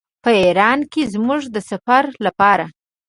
په ایران کې زموږ د سفر لپاره.